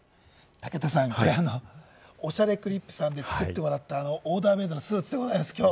武田さん、これ『おしゃれクリップ』さんで作ってもらった、あのオーダーメードのスーツでございます。